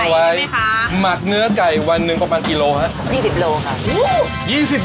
หมักเนื้อไก่วันหนึ่งประมาณกี่โลคะ